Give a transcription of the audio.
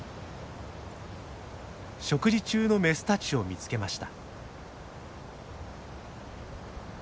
食事中のメスたちを見つけました。